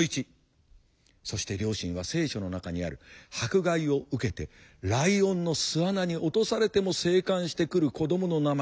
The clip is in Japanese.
そして両親は「聖書」の中にある「迫害を受けてライオンの巣穴に落とされても生還してくる子どもの名前」